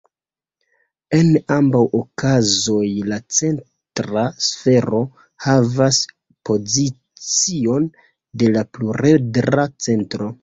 En ambaŭ okazoj la centra sfero havas pozicion de la pluredra centro.